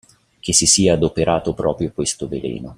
Che si sia adoperato proprio questo veleno.